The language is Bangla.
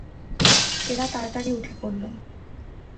এলা তাড়াতাড়ি উঠে পড়ল।